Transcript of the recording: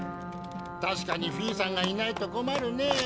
確かにフィーさんがいないと困るね。